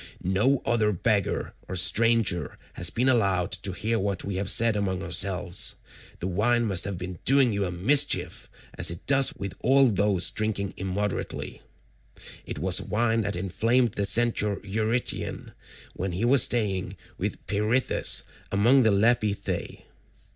No other beggar or stranger has been allowed to hear what we say among ourselves; the wine must have been doing you a mischief, as it does with all those who drink immoderately. It was wine that inflamed the Centaur Eurytion when he was staying with Peirithous among the Lapithae.